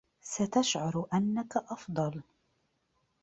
ستشعر أنك أفضل